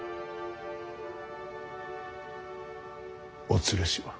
お連れしろ。